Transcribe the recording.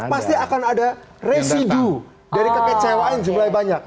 pasti akan ada residu dari kekecewaan jumlahnya banyak